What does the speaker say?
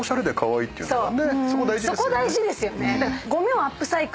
そこ大事ですよね。